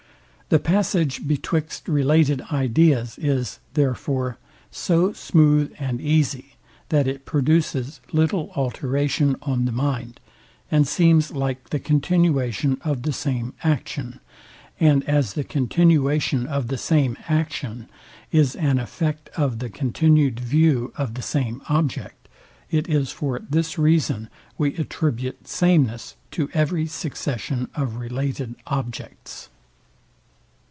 The passage betwixt related ideas is, therefore, so smooth and easy, that it produces little alteration on the mind, and seems like the continuation of the same action; and as the continuation of the same action is an effect of the continued view of the same object, it is for this reason we attribute sameness to every succession of related objects.